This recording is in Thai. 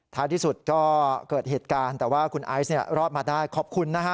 ท้ายที่สุดก็เกิดเหตุการณ์แต่ว่าคุณไอซ์เนี่ยรอดมาได้ขอบคุณนะฮะ